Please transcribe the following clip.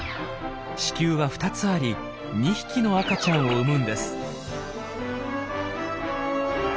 子宮は２つあり２匹の赤ちゃんを産むんです。